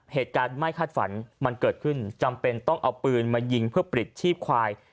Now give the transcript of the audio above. เหตุการณ์ไม่คาดฝันมันเกิดขึ้นจำเป็นต้องเอาปืนมายิงเพื่อปลิดชีพควาย